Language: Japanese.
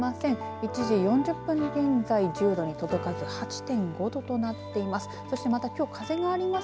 １時４０分現在１０度に届かず８．５度となっています。